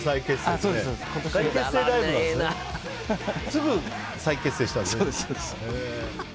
すぐ再結成したんですね。